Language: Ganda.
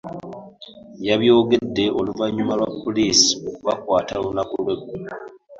Yabyogedde oluvannyuma lwa poliisi okubakwata olunaku lw'eggulo